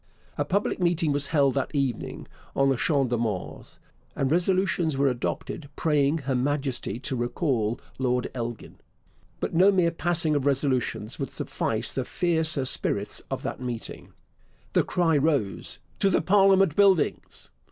A public meeting was held that evening on the Champs de Mars, and resolutions were adopted praying Her Majesty to recall Lord Elgin. But no mere passing of resolutions would suffice the fiercer spirits of that meeting. The cry arose 'To the Parliament Buildings!'